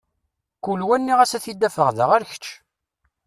Kul wa nniɣ-as ad t-id-afeɣ da ar kečč.